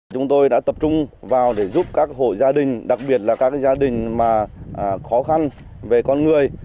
chúng tôi đã tập trung vào để giúp các hộ gia đình đặc biệt là các gia đình khó khăn về con người